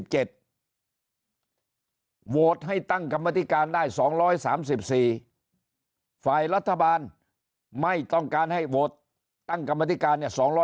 โหวตให้ตั้งกรรมธิการได้๒๓๔ฝ่ายรัฐบาลไม่ต้องการให้โหวตตั้งกรรมธิการ